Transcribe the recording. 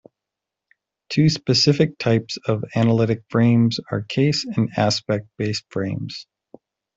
Two specific types of analytic frames are case and aspect based frames.